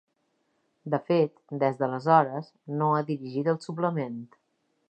De fet, des d’aleshores, no ha dirigit ‘El suplement’.